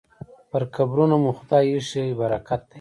پر قبرونو مو خدای ایښی برکت دی